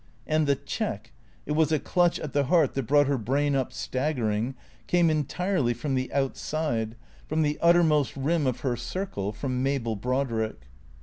And the check — it was a clutch at the heart that brought her brain up staggering — came entirely from the outside, from the uttermost rim of her circle, fom Mabel Brodrick.